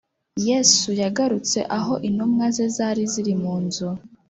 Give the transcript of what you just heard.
Yesu yagarutse aho intumwa ze zari ziri munzu